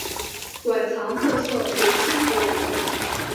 馆藏特色为亲子读物。